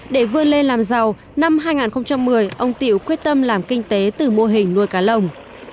để vươn lên làm giàu năm hai nghìn một mươi ông tiểu quyết tâm làm kinh tế từ mô hình nuôi cá lồng